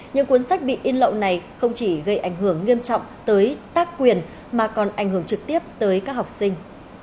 những cuốn sách bị in lậu này không chỉ gây ảnh hưởng nghiêm trọng tới tác quyền mà còn ảnh hưởng trực tiếp tới các học sinh